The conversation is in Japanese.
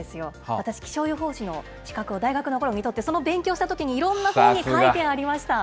私、気象予報士の資格を大学のころに取って、その勉強したときにいろんな本に書いてありました。